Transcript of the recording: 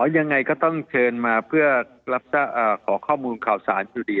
อย่างไรก็ต้องเชิญมาเพื่อขอข้อมูลข่าวสารที่ดี